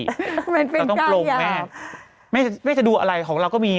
มันเป็นกายหยาบเราต้องปลงแน่ไม่จะดูอะไรของเราก็มี